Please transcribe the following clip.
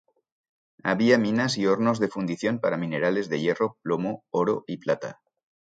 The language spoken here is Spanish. Había minas y hornos de fundición para minerales de hierro, plomo, oro y plata.